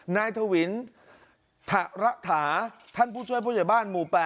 นายทวินถระถาท่านผู้ช่วยผู้ใหญ่บ้านหมู่๘